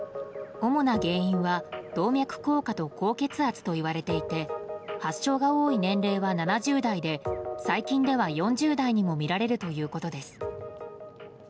主な原因は動脈硬化と高血圧と言われていて発症が多い年齢は７０代で最近では４０代でも見られるということです。